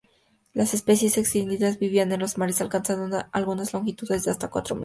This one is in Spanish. Las especies extinguidas vivían en los mares, alcanzado algunas longitudes de hasta cuatro metros.